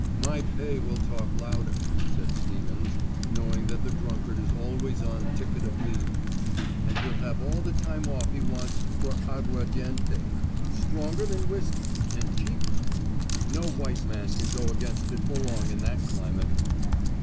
"My pay will talk louder," said Stevens, knowing that the drunkard is always on ticket of leave, "and he'll have all the time off he wants for aguardiente, stronger than whiskey, and cheaper. No white man can go against it for long in that climate."